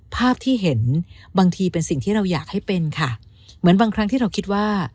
ภาพที่เห็นบางทีเป็นสิ่งที่เราอยากให้เป็นค่ะเหมือนบางครั้งที่เราคิดว่า